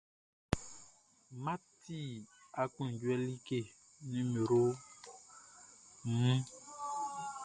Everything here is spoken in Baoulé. Math ti aklunjuɛ like nin nimero mun.